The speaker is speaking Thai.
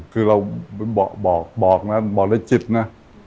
คือเราบอกนะบอกเลยจิตนะ